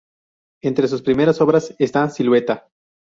Entre sus primera obras está Silueta.